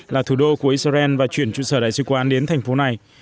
là thủ đô của israel và chuyển trụ sở đại sứ quán đến thành phố này